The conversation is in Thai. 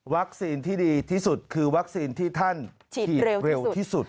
ที่ดีที่สุดคือวัคซีนที่ท่านฉีดเร็วที่สุด